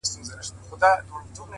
• دا رومانتيك احساس دي خوږ دی گراني؛